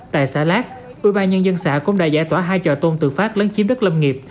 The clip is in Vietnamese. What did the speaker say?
tại xã lát ủy ban nhân dân xã cũng đã giải tỏa hai trò tôn tự phát lấn chiếm đất lâm nghiệp